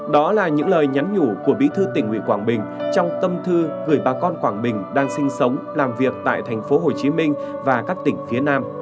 đó là những lời nhắn nhủ của bí thư tỉnh nguyễn quảng bình trong tâm thư gửi bà con quảng bình đang sinh sống làm việc tại thành phố hồ chí minh và các tỉnh phía nam